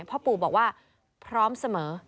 พ่อปู่บอกว่าพร้อมเสมอ